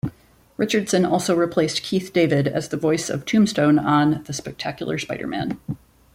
Richardson also replaced Keith David as the voice of Tombstone on "The Spectacular Spider-Man".